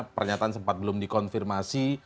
pernyataan sempat belum dikonfirmasi